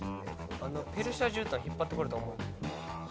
ペルシャじゅうたん引っ張ってこれたらもう。